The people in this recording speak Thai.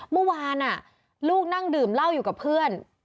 เมื่อวานลูกนั่งดื่มเหล้าอยู่กับเพื่อน